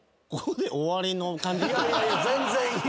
いやいや全然いい。